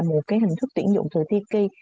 một hình thức tuyển dụng từ tiki